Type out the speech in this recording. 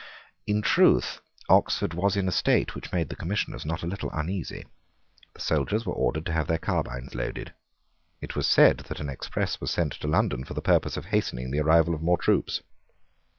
In truth Oxford was in a state which made the Commissioners not a little uneasy. The soldiers were ordered to have their carbines loaded. It was said that an express was sent to London for the purpose of hastening the arrival of more troops.